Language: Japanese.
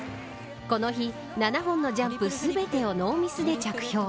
この日、７本のジャンプ全てをノーミスで着氷。